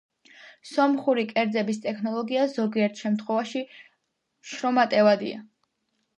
სომხური კერძების ტექნოლოგია ზოგიერთ შემთხვევაში შრომატევადია.